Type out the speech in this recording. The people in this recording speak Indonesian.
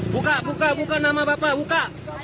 buka buka nama bapak buka